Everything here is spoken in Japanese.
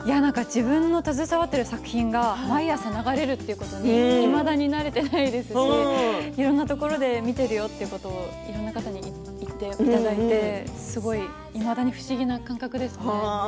自分が携わっている作品が毎朝流れるということにいまだに慣れていないですしいろいろなところで見ているよって言っていただいていまだに不思議な感覚ですね。